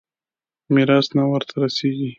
ميراث نه ورته رسېږي.